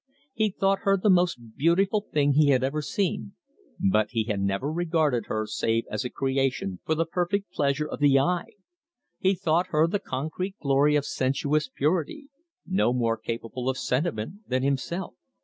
He thought her the most beautiful thing he had ever seen, but he had never regarded her save as a creation for the perfect pleasure of the eye; he thought her the concrete glory of sensuous purity, no more capable of sentiment than himself.